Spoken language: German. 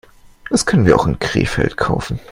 Das können wir auch in Krefeld kaufen